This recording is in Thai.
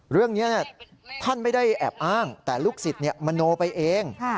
เรื่องนี้ท่านไม่ได้แอบอ้างแต่ลูกศิษย์มโนไปเอง